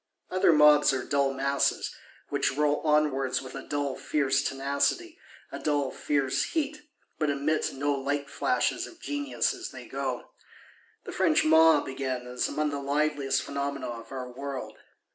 Other mobs are dull masses; which roll onwards with a dull fierce tenacity, a dull fierce heat, but emit no light flashes of genius as they go. The French mob, again, is among the liveliest phenomena of our world.